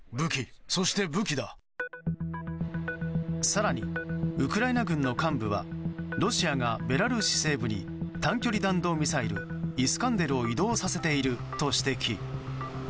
更に、ウクライナ軍の幹部はロシアがベラルーシ西部に短距離弾道ミサイルイスカンデルを移動させていると指摘。